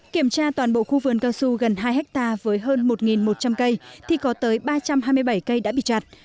kiểm tra toàn bộ khu vườn cao su gần hai hectare với hơn một một trăm linh cây thì có tới ba trăm hai mươi bảy cây đã bị chặt